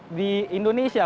hal itu dikenalkan di indonesia